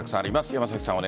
山崎さん。